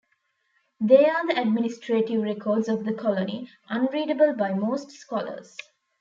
They are the administrative records of the colony, unreadable by most scholars.